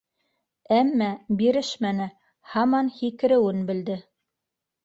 Әммә бирешмәне, һаман һикереүен белде.